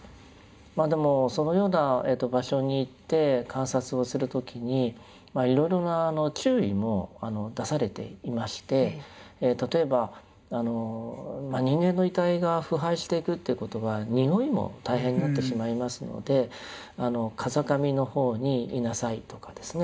まあでもそのような場所に行って観察をする時にいろいろな注意も出されていまして例えば人間の遺体が腐敗していくっていうことはにおいも大変になってしまいますので風上の方にいなさいとかですね